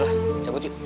yalah cabut yuk